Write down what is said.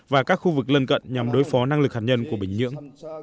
và các khu vực lân cận nhằm đối phó năng lực hạt nhân của bình nhưỡng